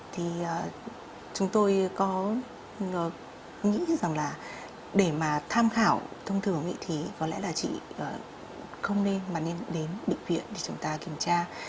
thì chúng tôi có nghĩ rằng là để mà tham khảo thông thường thì có lẽ là chị không nên mà nên đến bệnh viện để chúng ta kiểm tra